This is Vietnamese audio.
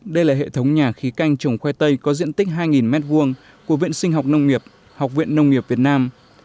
đây là hệ thống nhà khí canh trồng khoai tây có diện tích hai m hai của viện sinh học nông nghiệp học viện nông nghiệp việt nam